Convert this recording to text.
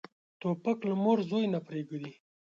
توپک له مور زوی نه پرېږدي.